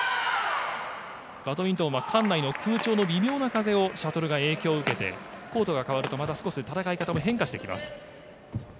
バドミントンは館内の空調の微妙な風をシャトルが影響を受けて戦い方も変化してきます。